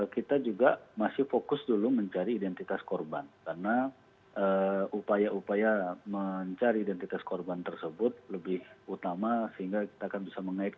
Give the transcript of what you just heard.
kita juga masih fokus dulu mencari identitas korban karena upaya upaya mencari identitas korban tersebut lebih utama sehingga kita akan bisa mengeks